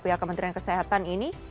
pihak kementerian kesehatan ini